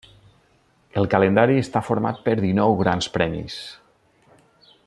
El calendari està format per dinou grans premis.